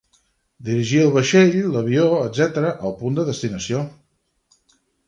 Dirigir el vaixell, l'avió, etc., al punt de destinació.